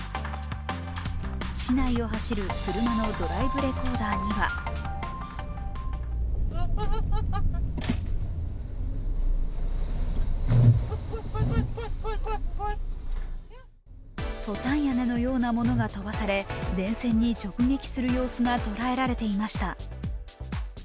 市内を走る車のドライブレコーダーにはトタン屋根のようなものが飛ばされ電線に直撃する様子が捉えられていました。